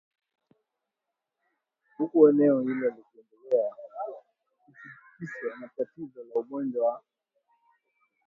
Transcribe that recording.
huku eneo hilo likiendelea kutikiswa na tatizo la ugonjwa wa